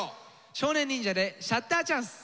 少年忍者で「シャッターチャンス」。